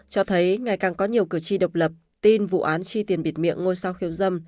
cho thấy ngày càng có nhiều cử tri độc lập tin vụ án chi tiền biệt miệng ngôi sao khiêu dâm